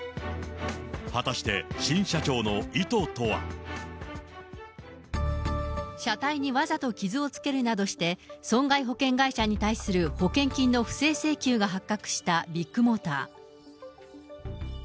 果たして新社長の意図とは。車体にわざと傷をつけるなどして、損害保険会社に対する保険金の不正請求が発覚したビッグモーター。